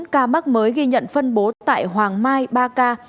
một mươi bốn ca mắc mới ghi nhận phân bố tại hoàng mai ba ca